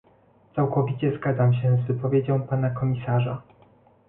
Całkowicie zgadzam się z wypowiedzią pana komisarza